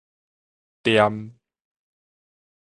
恬